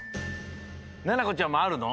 ななこちゃんもあるの？